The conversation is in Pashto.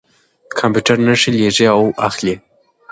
کمپیوټر نښې لېږي او اخلي.